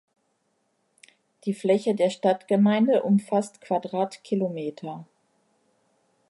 Die Fläche der Stadtgemeinde umfasst Quadratkilometer.